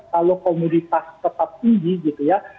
kalau komoditas tetap tinggi gitu ya